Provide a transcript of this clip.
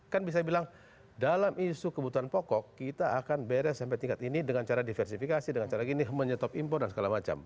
kan bisa bilang dalam isu kebutuhan pokok kita akan beres sampai tingkat ini dengan cara diversifikasi dengan cara gini menyetop impor dan segala macam